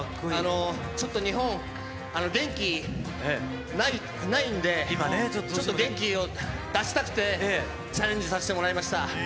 ちょっと日本、元気ないんで、ちょっと元気を出したくて、チャレンジさせてもらいました。